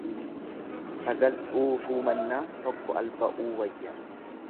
Sagal dhuufuu mannaa tokko alba'uu wayya.